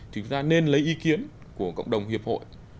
thì chúng ta nên lấy ý kiến của cộng đồng hiệp hội